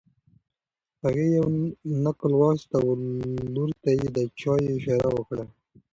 هغې یو نقل واخیست او لور ته یې د چایو اشاره وکړه.